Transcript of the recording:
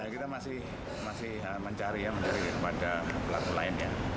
kita masih mencari ya mencari kepada pelaku lainnya